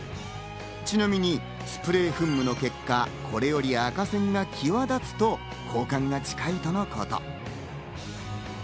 ちなみにスプレー噴霧の結果、これより赤線が際立つと交換が近いとのこと。